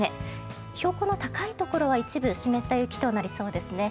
標高の高いところは一部湿った雪となりそうですね。